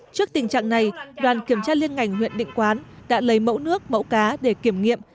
trước tình trạng này đoàn kiểm tra liên ngành huyện định quán đã lấy mẫu nước mẫu cá để kiểm nghiệm